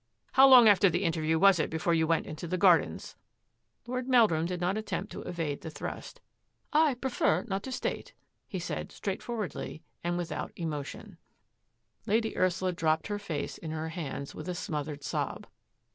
" How long after the interview was it before you went into the gardens ?" Lord Meldrum did not attempt to evade the thrust. " I prefer not to state," he said, straight forwardly and without emotion. UNDER FIRE 197 Lady Ursula dropped her face in her hands with a smothered sob.